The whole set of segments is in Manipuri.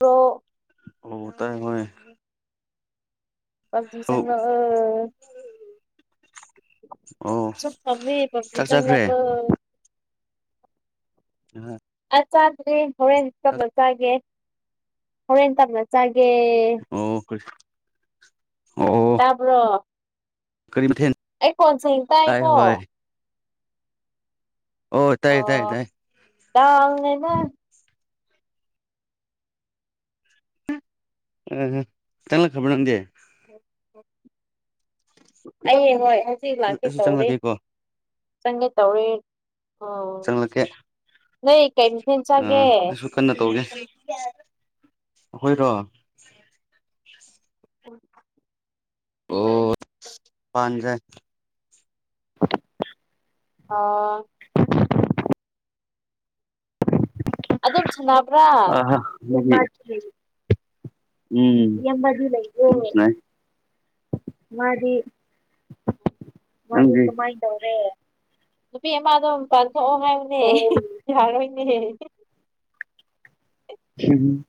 ꯀꯣ ꯑꯣ ꯇꯥꯏ ꯍꯦ ꯄꯕꯖꯤ ꯆꯅ ꯑ ꯑꯣ ꯁ ꯀꯝꯃꯤ ꯄꯞꯖꯤ ꯆꯥꯛ ꯆꯪꯂ ꯆꯥꯈ꯭ꯔꯦ ꯀ ꯑ ꯆꯥꯕꯗꯤ ꯍꯣꯔꯦꯟ ꯇꯞꯅ ꯆꯥꯒꯦ ꯍꯣꯔꯦꯟ ꯇꯞꯅ ꯆꯥꯒꯦ ꯑꯣ ꯑꯣ ꯇꯄ ꯀꯔꯤ ꯃꯊꯦꯜ ꯑꯩ ꯀꯣꯟ ꯆ ꯏꯟ ꯇꯥꯏ ꯇꯥꯏꯀꯣ ꯍꯣꯏ ꯇꯥꯏ ꯇꯥꯏ ꯑꯣ ꯇꯥꯏ ꯇ ꯑꯉꯅ ꯑ ꯇꯅ ꯈꯕꯔꯪꯗꯦ ꯑꯩ ꯍꯣꯏ ꯍꯧꯖꯤꯛ ꯂꯥꯛꯀꯦ ꯑꯩꯁꯨ ꯇꯧꯔꯤꯦ ꯆꯪꯂꯛꯀꯦꯀꯣ ꯆꯪꯒꯦ ꯇꯧꯔꯤꯦ ꯆꯪꯂꯛꯀꯦ ꯀꯩ ꯃꯊꯦꯜ ꯑ ꯆꯥꯒꯦ ꯑꯩꯁꯨ ꯀꯟꯅ ꯇꯧꯒꯦ ꯍꯣꯏꯔꯕꯣ ꯍ ꯑꯣ ꯄ ꯑ ꯑꯗꯨꯝ ꯁ ꯑ ꯍ ꯎꯝ ꯌꯥꯝ ꯂꯩ ꯃꯥꯗꯤ ꯃꯥꯥꯏ ꯇꯔꯦ ꯅꯨꯄꯤ ꯑꯃꯃꯗꯣ ꯄꯥꯟꯊꯣꯛꯑꯣ ꯍꯥꯏꯌꯅꯦ ꯑꯣ ꯌꯥꯔꯣꯏꯅꯦ ꯎꯝ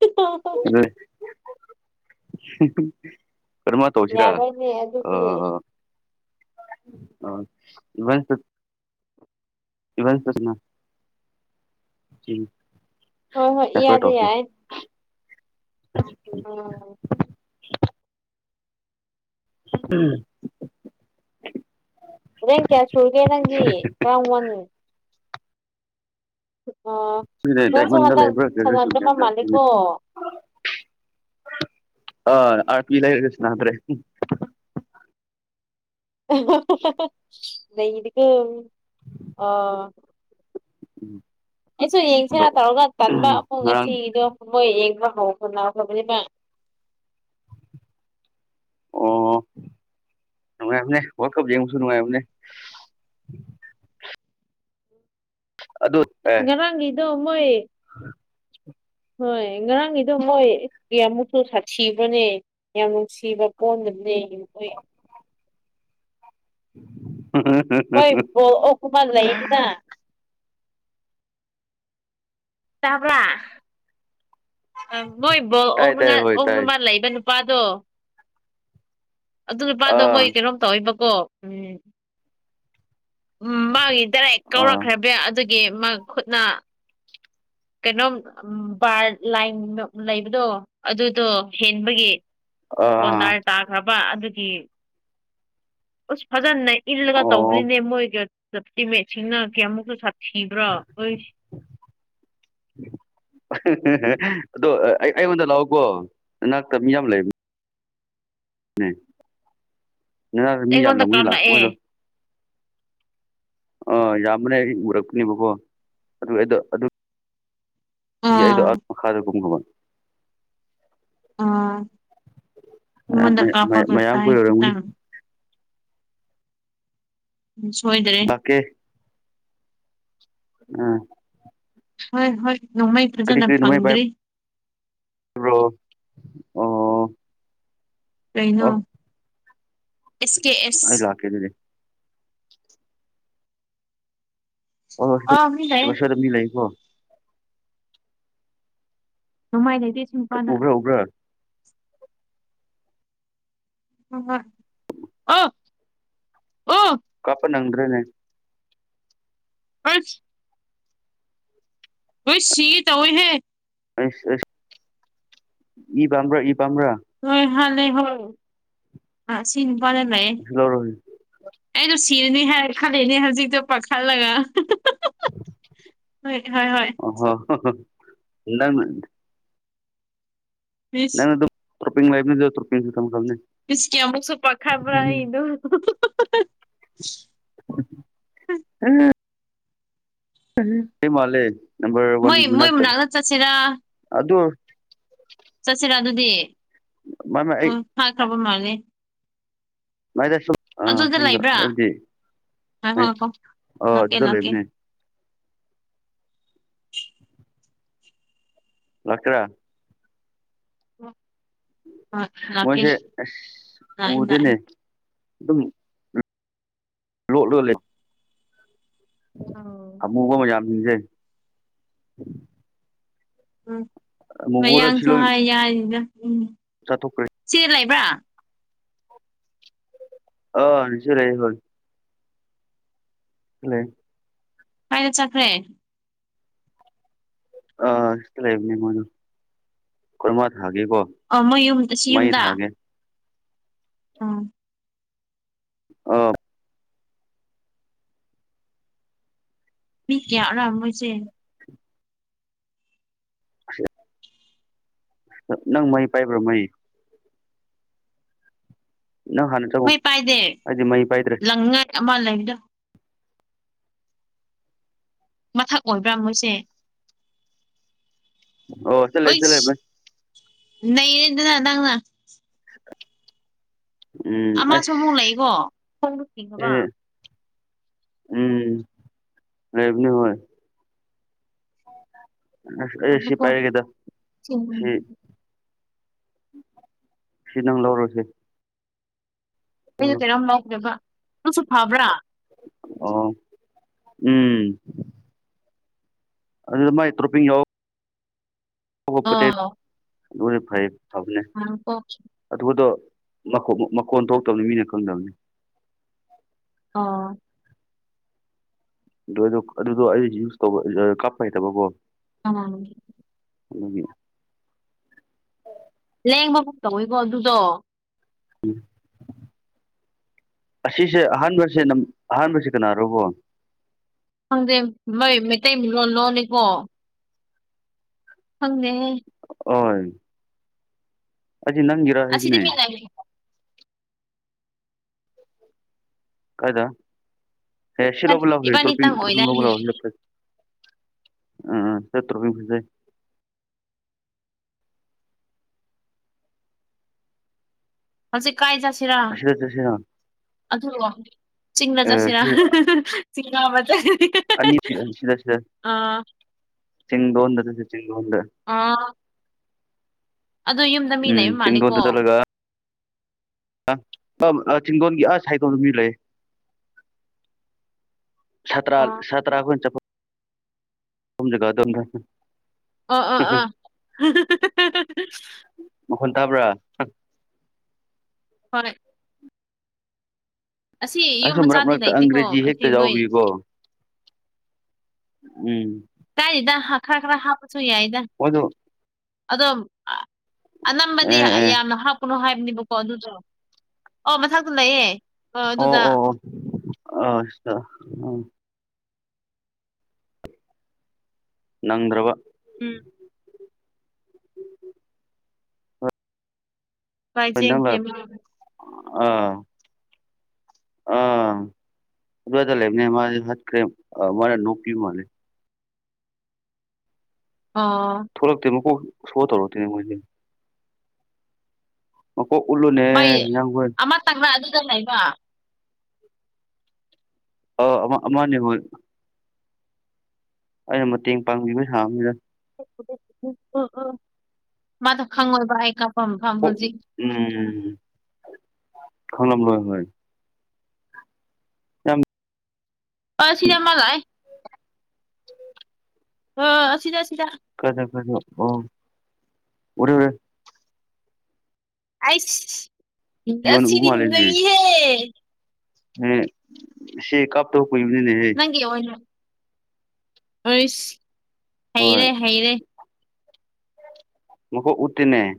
ꯑ ꯐꯔꯃ ꯇꯧꯁꯤꯔ ꯌꯥꯔꯣꯏꯅꯦ ꯑ ꯑꯗꯨꯗꯤ ꯑ ꯏꯕꯟ ꯚꯟꯁꯅ ꯎ ꯍꯣꯏ ꯍꯣꯏ ꯌꯥꯗꯦ ꯌꯥꯏ ꯑꯣ [unintelligible] ꯎꯝ ꯅꯣꯔꯦꯟ ꯀꯌꯥ ꯁꯨꯨꯔꯒꯦ ꯅꯪꯒꯤ ꯀꯔ ꯋꯥꯟ ꯑꯥ ꯁꯗ ꯅꯪꯁꯨ ꯍꯟꯗꯛ ꯇꯃꯒꯕ꯭ꯔ ꯀ ꯁ ꯀꯌꯥ ꯁꯥꯟꯅꯗ꯭ꯔꯕ ꯊ ꯃꯥꯜꯂꯦꯀꯣ ꯇ ꯑ ꯄꯂꯔꯁꯅꯗ꯭ꯔꯦ ꯅꯩꯗꯤꯒ ꯑ ꯎꯝ ꯑꯩꯁꯨ ꯌꯦꯡꯁꯦꯔ ꯇꯧꯔꯒ ꯇꯟꯕ ꯄꯨꯡ ꯉꯔꯥꯡ ꯉꯁꯤꯗꯣ ꯃꯣꯏ ꯌꯦꯡ ꯍꯥꯎ ꯐ ꯂ ꯐꯕꯅꯤ ꯑꯣ ꯀ ꯅ ꯑꯁ ꯑꯦ ꯉꯔꯥꯡꯒꯤꯗꯣ ꯃꯣꯏ ꯍꯣꯏ ꯉꯔꯥꯡꯒꯤꯗꯣ ꯃꯣꯏꯃꯨꯁꯨ ꯁꯥꯊꯤꯕꯅꯦ ꯌꯥꯝ ꯅꯨꯡꯁꯤꯕ ꯄꯣꯟꯅꯦ ꯣꯏ [unintelligible] ꯑꯩꯣꯏ ꯍꯀꯨꯃꯜ ꯂꯩꯗꯤꯗ ꯇꯥ ꯑ ꯃꯣꯏꯕꯨꯕ ꯑꯣ ꯇꯥꯏ ꯇꯥꯏ ꯍꯣꯏ ꯑꯣꯛ ꯇꯥꯏ ꯅꯨꯃꯜ ꯂꯩꯕ ꯅꯨꯄꯥꯗꯣ ꯑꯗꯨ ꯅꯨꯄꯥꯗꯣ ꯃꯣꯏ ꯑꯥ ꯀꯩꯅꯣꯝ ꯇꯧꯏꯕꯀꯣ ꯎꯝ ꯎꯝ ꯃꯥꯒꯤ ꯗꯥꯏꯔꯦꯛ ꯑꯥ ꯀꯧꯔꯛꯈ꯭ꯔꯕ ꯑꯗꯨꯒꯤ ꯃꯥ ꯈꯨꯠꯅ [unintelligible] ꯀꯩꯅꯣꯝ ꯕꯥꯔ ꯂꯥꯏꯟ ꯂꯩꯕꯗꯣ ꯑꯗꯨꯗꯣ ꯍꯦꯟꯕꯒꯤ ꯑꯥ ꯀꯣꯟꯗꯥꯜ ꯇꯥꯈ꯭ꯔꯕ ꯑꯗꯨꯒꯤ ꯑꯁ ꯐꯖꯅ ꯏꯜꯂꯒ ꯑꯣ ꯇꯧꯕꯅꯤꯅꯦ ꯃꯣꯏꯒꯤ ꯇꯤꯃꯦꯠꯁꯤꯡꯅ ꯀꯌꯥꯃꯨꯛꯇ ꯁꯤꯕ꯭ꯔꯣ ꯑꯣꯏꯣꯏ ꯎꯝ ꯑꯗꯣ ꯑꯩ ꯑꯩꯉꯣꯟꯗ ꯂꯥꯛꯑꯣꯀꯣ ꯅꯅꯥꯛꯇ ꯃꯤ ꯌꯥꯝ ꯂꯩꯕꯅꯤ ꯃꯤ ꯌꯥꯕ ꯂ ꯑꯩꯉꯣꯟꯗ ꯃ ꯀꯥꯞꯂꯛꯑꯦ ꯂꯥꯛꯄꯣꯏꯗ ꯑꯥ ꯌꯥꯝꯕꯅꯦ ꯎꯔꯛꯄꯅꯦꯕꯀꯣ ꯑꯗꯨ ꯑꯗꯨ ꯑꯥ ꯔꯒꯨꯝ ꯃꯌꯥꯝ ꯑꯗ ꯃꯌꯥꯝ ꯀꯥꯄꯒ ꯃꯌꯥꯝ ꯇ ꯀꯣꯏ ꯍꯥꯏ ꯇ ꯑꯣꯏꯔꯝꯒꯅꯤ ꯎꯝ ꯁꯣꯏꯗ꯭ꯔꯦ ꯑꯝ ꯍꯣꯏ ꯍꯣꯏ ꯅꯣꯡꯃꯩ ꯐꯖꯅ ꯐꯪꯗ꯭ꯔꯤ ꯍꯣ ꯑꯣ ꯆꯩꯩꯅ ꯑꯣ ꯑꯦꯁ ꯀꯦ ꯑꯦꯁ ꯑꯩ ꯂꯥꯛꯀꯦ ꯑꯗꯨꯗꯤ ꯑ ꯃꯤ ꯂꯩꯌꯦ ꯑꯣ ꯁ ꯑꯗꯨꯝꯗꯤ ꯂꯩꯀꯣ ꯃꯥꯏ ꯂꯩꯗꯤꯁꯨ ꯀꯅ ꯎꯕ꯭ꯔꯥ ꯎꯕ꯭ꯔꯥ ꯎ ꯑꯣ ꯑꯣ ꯀꯄ ꯅꯪ꯭ꯔꯅꯦ ꯑꯁ ꯍꯣꯏ ꯁꯤꯠ ꯑꯑꯣꯏꯍꯦ ꯑꯁ ꯑꯁ ꯏꯕꯝꯔ ꯏ ꯄꯝꯔꯥ ꯂꯩ ꯍ ꯁꯤ ꯄ ꯀꯩꯁꯨ ꯂꯧꯔꯣꯏ ꯊꯤꯔꯅꯤ ꯍꯥꯏꯔ ꯈꯂꯅꯦ ꯍꯧꯖꯤꯛꯇꯣ ꯄꯥꯈꯠꯂꯒ ꯍꯣꯏ ꯍꯣꯏ ꯍꯣꯏ ꯑꯣ ꯍꯣ ꯍ ꯍꯗ ꯃꯤ ꯃꯤꯁ ꯇ꯭ꯔꯣꯤꯡ ꯂꯥꯏ ꯇ꯭ꯔꯣꯅꯤ ꯤꯁꯀꯤ ꯑꯃꯃꯨꯛꯁꯨ ꯄꯥ ꯈꯕ꯭ꯔ ꯏꯗ ꯎ ꯑꯩ ꯃꯥꯜꯂꯦ ꯅꯝꯕꯔ ꯃꯣꯏ ꯋꯥꯟꯒꯤ ꯃꯣꯏ ꯃꯅꯥꯛꯇ ꯆꯠꯁꯤꯔꯥ ꯑꯗꯨ ꯆꯠꯁꯤꯔꯥ ꯑꯗꯨꯗꯤ ꯃꯥꯏꯃ ꯑꯩ ꯎꯝ ꯍꯥꯏꯈ꯭ꯔꯕ ꯃꯥꯜꯂꯦ ꯃꯥꯏꯗ ꯑ ꯑꯗꯨꯗ ꯁꯨꯗꯔ ꯂꯩꯕ꯭ꯔꯥ ꯑꯦꯕꯗꯤ ꯉꯥꯏꯈꯣ ꯉꯥꯏꯈꯣ ꯑ ꯂꯥꯛꯀꯦ ꯑꯗꯨꯗ ꯂꯥꯛꯀꯦ ꯂꯩꯕꯅꯦ ꯂꯀ꯭ꯔꯥ ꯑꯣ ꯃꯣꯏꯁꯦ ꯂꯥꯛꯑꯦ ꯂꯥꯛꯑꯦ ꯎꯗꯦꯅꯦꯝ ꯂꯣꯠ ꯂꯣꯠ ꯂꯩ ꯑꯣ ꯑꯃꯨꯕꯨ ꯃꯖꯥꯝꯁꯦ ꯎꯝ ꯁꯤ ꯃꯌꯥꯡꯁꯨ ꯂꯣꯏ ꯍꯥꯏ ꯌꯥꯔꯤꯗ ꯎꯝ ꯆꯥꯊꯣꯛꯈ꯭ꯔꯦ ꯆꯦ ꯂꯩꯕ꯭ꯔꯥ ꯑꯁꯨ ꯔꯦ ꯍ ꯂꯩ ꯐꯥꯏꯅ ꯆꯠꯈ꯭ꯔꯦ ꯑ ꯏ ꯂꯩꯕꯅꯤ ꯀꯃꯥ ꯊꯥꯒꯦ ꯀꯣ ꯑꯣ ꯃꯣꯏ ꯌꯨꯝ ꯃꯩ ꯊꯥꯒꯦ ꯑꯥ ꯑꯥ ꯃꯤ ꯀꯌꯥ ꯑꯔꯝ ꯑꯣꯏꯁꯦ ꯅꯪ ꯃꯩ ꯄꯥꯏꯕ꯭ꯔꯣ ꯃꯩ ꯅꯪ ꯍꯥꯟꯅ ꯆꯪꯉꯣ ꯃꯩ ꯄꯥꯏꯗꯦ ꯑꯩꯗꯤ ꯃꯩ ꯄꯥꯏꯗ꯭ꯔꯦ ꯂꯪꯉꯥꯏ ꯑꯃ ꯂꯩꯕꯗ ꯃꯊꯛ ꯑꯣꯏꯕ꯭ꯔꯥ ꯃꯣꯏꯁꯦ ꯑꯣ ꯆꯂꯦ ꯆ ꯂꯩꯦ ꯅꯅꯦꯗꯅ ꯅꯪꯅ ꯎꯝ ꯑꯃꯁꯨ ꯑꯁ ꯑꯃꯨꯛ ꯂꯩꯀꯣ ꯈꯣꯡꯗ ꯆꯤꯡꯉꯕ ꯎꯝ ꯔꯦꯕꯅꯤ ꯍꯣꯏ ꯑꯦ ꯁꯤ ꯉꯥꯏꯈꯣꯀꯣ ꯄꯥꯏꯒꯦꯗ ꯁꯤ ꯁꯤ ꯂ ꯂꯔꯁꯦ ꯑꯩꯁꯨ ꯀꯩꯅꯣꯝ ꯉꯥꯎꯗꯕ ꯅꯁꯨ ꯐꯕ꯭ꯔꯥ ꯑꯣ ꯎꯝ ꯑꯗꯨꯗꯃ ꯇ꯭ꯔꯣꯄꯤꯤ ꯌ ꯑꯥ ꯑꯗꯨꯕꯨꯗꯤ ꯐꯩ ꯊꯕꯅꯤ ꯑꯗꯨꯗꯣ ꯃꯈꯣꯟ ꯊꯣꯛꯇꯕꯅꯤ ꯃꯤꯅ ꯈꯪꯗꯕꯅꯤ ꯑꯥ ꯑꯗꯨꯗ ꯑꯗꯨꯗꯣ ꯑꯩ ꯌꯨꯁ ꯇꯧꯕ ꯀꯥꯞꯄ ꯍꯩꯇꯕꯀꯣ ꯑꯥ ꯐ ꯂꯦꯡꯕꯒ ꯇꯧꯋꯤꯀꯣ ꯑꯗꯨꯗꯣ ꯎꯝ ꯑꯁꯤꯁꯦ ꯑꯍꯥꯟꯕꯁꯦ ꯑꯍꯥꯟꯕꯁꯦ ꯀꯅꯥꯔꯣꯕꯣ ꯦ ꯃꯣꯏ ꯃꯩꯇꯩ ꯂꯣꯟ ꯂꯣꯟꯅꯤꯀꯣ ꯍꯪꯦ ꯑꯣꯏ ꯑꯗꯨꯆ ꯑꯁꯤꯗ ꯅꯪꯒꯤꯔꯣꯦꯕꯅꯦ ꯃꯤ ꯂꯩ ꯀꯥꯏꯗ ꯍꯦ ꯁꯤ ꯂꯕꯨ ꯂꯕ ꯇꯄꯤ ꯏꯕꯥꯅꯤꯇꯪ ꯇꯄꯤ ꯂꯕꯨ ꯑꯣꯏꯗꯥꯏꯅꯦ ꯂꯑꯣ ꯂ ꯑꯝ ꯁꯠꯇꯁꯦ ꯍꯧꯦ ꯀꯥꯏ ꯆ ꯠꯔ ꯑꯁꯤꯗ ꯆꯠꯁꯤꯔ ꯑꯗꯨ ꯆꯤꯡꯅ ꯑꯦ ꯆꯠꯁꯤꯔ ꯀꯕꯗ ꯑꯅꯤꯁꯤꯗ ꯁꯤꯗꯗꯗ ꯗ ꯑꯥ ꯑꯗꯣ ꯌꯨꯝꯗ ꯃꯤ ꯂꯩꯕ ꯃꯥꯅꯤꯀꯣ ꯑ ꯆꯤꯡꯗꯣꯟꯒꯤ ꯑ ꯁꯥꯏꯗꯣꯟꯗꯨ ꯃꯤ ꯂꯩ ꯁꯥꯇ꯭ꯔꯥ ꯑ ꯁꯥꯇ꯭ꯔꯥꯈꯣꯏ ꯆꯄ ꯑꯣ ꯑ ꯑꯥ ꯃꯈꯣꯟ ꯇꯥꯕ꯭ꯔꯥ ꯍꯣꯔꯦ ꯌꯨꯝ ꯑꯁ ꯃꯔꯛ ꯃꯆꯥꯗꯤ ꯃꯔꯛꯇ ꯂꯩꯇꯦꯀꯣ ꯑꯪꯒ꯭ꯔꯦꯖꯤ ꯑꯁꯤ ꯍꯦꯛꯇ ꯃꯣꯏ ꯌꯥꯎꯕꯤꯌꯨꯀꯣ ꯎꯝ ꯀꯥꯏꯔꯤꯗ ꯈꯔ ꯈꯔ ꯍꯥꯞꯄꯁꯨ ꯌꯥꯏꯗ ꯃꯣꯏꯗꯣ ꯑꯗꯣ ꯑꯅꯝꯕꯗꯤ ꯑꯦ ꯑꯦ ꯌꯥꯝꯅ ꯍꯥꯞꯄꯅꯨ ꯍꯥꯏꯕꯅꯦꯕꯀꯣ ꯑꯗꯨꯗꯣ ꯑꯣ ꯃꯊꯛꯇꯨ ꯂꯩꯌꯦ ꯑ ꯑꯗꯨꯗ ꯑꯣ ꯑꯣ ꯑꯣ ꯑ ꯎꯝ ꯅꯪꯗ꯭ꯔꯕ ꯎꯝ ꯍꯣꯏ ꯄꯥꯏꯖꯦ ꯏ ꯅꯪ ꯐꯦ ꯂꯥꯛ ꯑꯥ ꯑ ꯂꯩ ꯃꯥ ꯍꯥ ꯀ ꯃꯥ ꯅꯄꯤ ꯃꯥꯅꯦ ꯑꯣ ꯊꯣꯛꯂꯛꯇꯦ ꯃꯀꯣꯛ ꯁꯣ ꯇꯧꯔꯛꯇꯦꯅꯦ ꯃꯣꯏꯁ ꯎꯠꯂꯨꯅꯦ ꯃꯥꯏ ꯃꯤꯌꯥꯡ ꯍꯣꯏ ꯑꯃꯇꯪꯉ ꯑꯗꯨꯗ ꯂꯩꯕ ꯑ ꯑꯃꯅꯤ ꯍꯣꯏ ꯑꯩꯅ ꯃꯇꯦꯡ ꯄꯥꯡꯕꯤꯕꯩ ꯍꯥꯡꯅꯤꯗ ꯎ ꯃꯥꯗ ꯈꯪꯉ ꯑꯣꯏꯕꯏꯀ ꯎꯝ ꯈꯅꯥꯕ ꯂꯣꯏ ꯍ ꯌꯥꯝ ꯁꯤꯗꯃꯂꯥꯏ ꯑꯣ ꯁꯤꯗꯥ ꯁꯤꯗꯥꯥ ꯀꯗ ꯀꯗꯣ ꯑꯣ ꯎꯔ ꯎꯔ ꯑꯁ ꯌꯣꯟ ꯑꯁꯤꯗꯤ ꯅ ꯍꯦ ꯍ ꯁꯤ ꯀꯥꯞꯇ ꯍ ꯀꯅꯤꯅꯦꯍꯦ ꯅꯪꯒꯤ ꯑꯣꯏꯅ ꯑꯩꯁ ꯍꯣꯏ ꯍꯩꯔꯦ ꯍꯩꯔꯦ ꯃꯀ ꯎꯇꯅꯦꯦ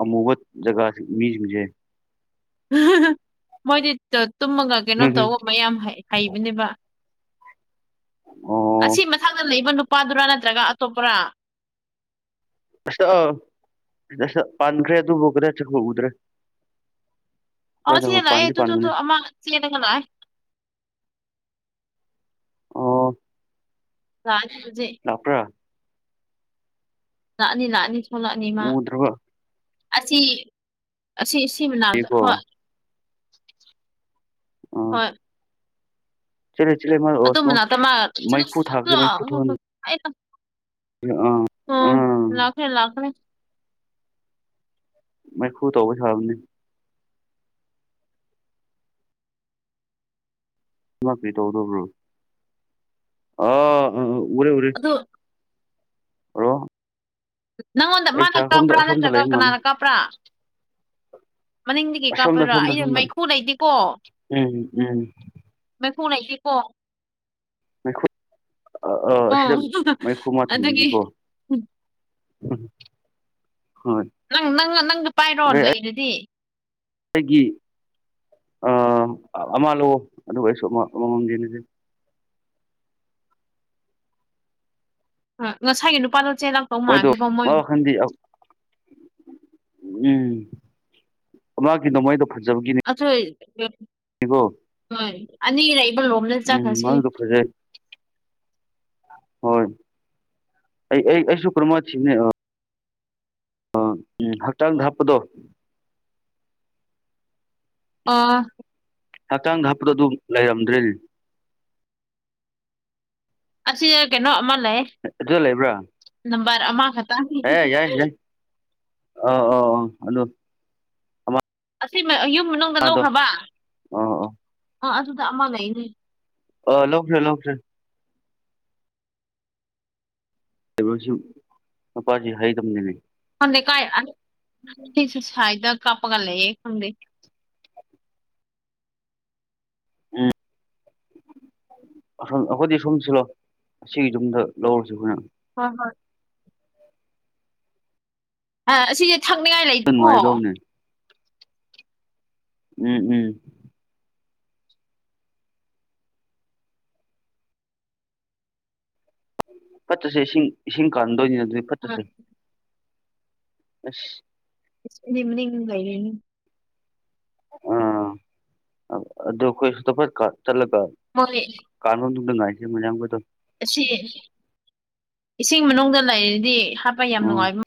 ꯑꯃꯨꯕꯠ ꯖꯒꯥꯥ ꯃꯤꯦ ꯃꯣꯏꯗꯤ ꯇꯨꯝꯃꯒ ꯀꯩꯅꯣꯝ ꯍꯝ ꯍꯝ ꯇꯧꯕ ꯃꯌꯥꯝ ꯍꯩꯕꯅꯦꯕ ꯑꯣ ꯑꯁꯤ ꯃꯊꯥꯡꯛꯇ ꯂꯩꯏꯕ ꯅꯨꯄꯥꯗꯨꯔꯥ ꯅꯠꯇ꯭ꯔꯒ ꯑꯇꯣꯞꯄꯔꯥ ꯑꯁ ꯄꯥꯟꯈ꯭ꯔꯦ ꯑꯗꯨꯕꯨ ꯒꯔ ꯆ ꯍ ꯎꯗ꯭ꯔꯦ ꯑ ꯁ꯭ꯋꯥꯏꯗ ꯍꯣꯏ ꯁꯤꯦꯅꯥꯏꯌꯦ ꯄꯥꯟꯗꯤ ꯄꯥꯟꯕꯅꯦ ꯇ ꯑꯃ ꯁꯤꯌꯦꯅꯦꯅꯥꯏ ꯑꯣ ꯀ ꯗꯣꯛꯥꯛꯇꯔ ꯂꯥꯛꯑꯅꯤ ꯂꯥꯛꯑꯅꯤ ꯊꯣꯛꯂꯛꯑꯅꯤ ꯏ ꯃꯥ ꯎꯗ꯭ꯔꯕ ꯑꯁꯤ ꯑꯁꯤ ꯁꯤ ꯃꯅ ꯀꯣ ꯍꯣꯏ ꯍꯣꯏ ꯆꯂ ꯆꯂ ꯑꯗꯨ ꯃꯅꯥꯛꯇ ꯃꯥ ꯃꯩꯐꯨ ꯊꯒ꯭ꯔꯦ ꯃꯩꯐꯨ ꯊ ꯍ ꯑꯥ ꯂꯈꯅꯦ ꯂꯈꯅꯦ ꯃꯩꯈꯨ ꯇꯧꯕ ꯁꯥꯕꯅꯦ ꯂꯥꯛꯄꯤ ꯇꯧꯗꯧꯕ꯭ꯔꯣ ꯑ ꯎꯔꯦ ꯎꯔꯦ ꯑꯗꯨ ꯍꯂꯣ ꯅꯪꯉꯣꯟꯗ ꯃꯥꯅ ꯀꯥꯞꯄ꯭ꯔꯥ ꯅꯠꯇ꯭ꯔꯒ ꯂꯩ ꯃꯥꯜꯂꯦ ꯀꯅꯥꯅ ꯀꯥꯞꯄ꯭ꯔꯥ ꯃꯅꯤꯡꯗꯤ ꯀꯩ ꯑꯁꯣꯝꯗ ꯀꯥꯞꯄꯣꯏꯔꯥ ꯑꯁꯣꯝꯗ ꯑꯩꯅ ꯑꯁꯣꯝꯗ ꯃꯩꯈꯨ ꯂꯩꯗꯤꯦꯀꯣ ꯎꯝ ꯎꯝ ꯃꯈ ꯍꯅꯁꯤ ꯀꯣ ꯃꯩꯈꯨ ꯑ ꯑꯁꯤꯗ ꯎꯝ ꯃꯩꯈꯨ ꯑꯃ ꯑꯗꯨꯒꯤ ꯊꯝꯕꯤꯒꯦꯀꯣ ꯎꯝ ꯅꯪ ꯅꯪ ꯅꯪꯒ ꯄꯥꯏꯔꯣ ꯂꯩꯔꯗꯤ ꯑꯗꯒꯤ ꯑ ꯑꯃ ꯂꯥꯛꯑꯣ ꯑꯗꯨꯒ ꯑꯩꯁꯨ ꯑꯃ ꯑꯃꯃꯝꯗꯤꯟꯅꯁ ꯑ ꯉꯁꯥꯏꯒꯤ ꯅꯨꯄꯥꯗꯣ ꯆꯦꯜꯂꯛꯇꯧ ꯑꯣꯏꯗꯣ ꯃꯥꯟꯈ꯭ꯔꯦꯕ ꯃꯣꯏ ꯋꯥ ꯋꯥꯈꯟꯗꯤ ꯎꯝ ꯃꯥꯒꯤ ꯅꯃꯥꯏꯗ ꯑꯆ ꯍꯣꯏ ꯑ ꯎꯝ ꯃꯜꯗꯨ ꯈꯁ ꯍꯣꯏ ꯑꯩ ꯑꯩ ꯑꯩꯁꯨ ꯀ꯭ꯔꯃꯁꯤꯅꯦ ꯑ ꯎꯝ ꯍꯛꯆꯥꯡ ꯍꯥꯞꯄꯗꯣ ꯑꯥ ꯍꯛꯆꯥꯡꯗ ꯍꯥꯞꯄꯨ ꯑꯗꯨ ꯂꯩꯔꯝꯗ꯭ꯔꯤ ꯑꯁꯤꯁ ꯀꯩꯅꯣ ꯃ ꯂꯩ ꯑꯗꯨꯗ ꯂꯩꯕ꯭ꯔꯥ ꯅꯝꯕꯝꯕꯔ ꯑꯃ ꯈꯇꯥ ꯑ ꯑ ꯑ ꯍꯜꯂꯣ ꯑꯁꯤ ꯌꯨꯝ ꯃꯅꯨꯡꯗ ꯂꯧꯈ꯭ꯔꯕ ꯑꯥ ꯑꯥ ꯑꯥ ꯑꯗꯨꯗ ꯑꯃ ꯂꯩꯅꯦ ꯑ ꯂꯧꯁꯦ ꯂ ꯂꯧꯁꯦ ꯕꯁꯨ ꯃꯄꯥꯁꯤ ꯍꯥꯏꯗꯕꯅꯤꯅꯦ ꯂꯩ ꯀꯥꯏ ꯁꯤꯁꯨ ꯐꯥꯏꯗ ꯀꯞꯄꯒꯂꯦꯌꯦ ꯈꯪꯗ ꯎꯝ ꯑꯁꯣꯝ ꯑꯩꯈꯣꯏꯗꯤ ꯑ ꯁꯣꯝ ꯁꯤꯜꯂꯣ ꯑꯁꯤꯒꯤ ꯌꯨꯝꯗ ꯂꯧꯔꯨꯁꯤ ꯑꯩꯈꯣꯏꯅ ꯍ ꯍ ꯑ ꯑꯁꯤꯁꯦ ꯊꯛꯅꯤꯡꯉꯥꯏ ꯂꯩꯇꯦꯀꯣ ꯅꯨꯡꯉꯥꯏꯒꯗꯧꯕꯅꯦ ꯎꯝ ꯎꯝ ꯐꯠꯇꯁꯦ ꯏꯁꯤꯡ ꯏꯁꯤꯡ ꯀꯥꯟꯗꯣꯏꯅꯤꯅ ꯑꯗꯨꯗꯤ ꯐꯠꯇꯁꯦ ꯑ ꯏꯃꯤꯅꯤꯡ ꯂꯩꯥꯏꯔꯅꯤ ꯑ ꯑꯗꯨ ꯑꯗꯨ ꯀꯣꯏ ꯐ ꯆꯂꯒ ꯃꯣꯏ ꯀꯥꯟ ꯑꯗꯨ ꯉꯥꯏꯦ ꯃꯌꯥꯝꯕꯨꯗꯣ ꯑꯁꯤ ꯏꯁꯤꯡ ꯃꯅꯨꯡꯗ ꯂꯩꯔꯗꯤ ꯍꯥꯞꯄ ꯌꯥꯝ ꯎꯝ ꯅꯨꯡꯉꯥꯏꯕ